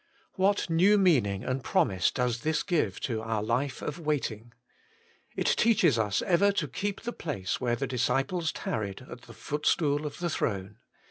What new meaning and promise does this give to our life of waiting ! It teaches us ever to keep the place where the disciples tarried at the foot' stool of the Throne.